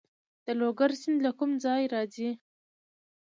د لوګر سیند له کوم ځای راځي؟